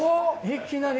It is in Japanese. いきなり。